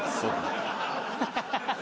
ハハハハハ！